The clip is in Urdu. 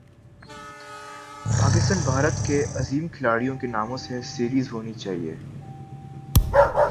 پاکستان بھارت کے عظیم کھلاڑیوں کے ناموں سے سیریز ہونی چاہیے